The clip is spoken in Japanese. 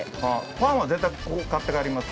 パンは絶対買って帰ります？